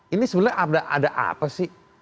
ini sebenarnya ada apa sih